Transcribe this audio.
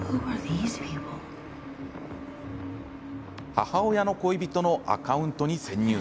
母親の恋人のアカウントに潜入。